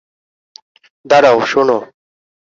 দাঁড়াও, শোনো?